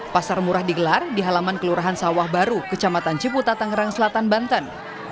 pasar murah digelar di halaman kelurahan sawah baru kecamatan ciputa tangerang selatan banten